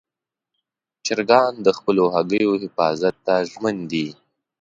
چرګان د خپلو هګیو حفاظت ته ژمن دي.